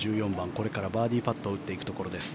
これからバーディーパットを打っていくところです。